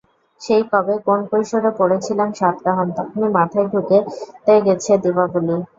সেই কবে কোন কৈশোরে পড়েছিলাম সাতকাহন, তখনই মাথায় ঢুতে গেছে দীপাবলি।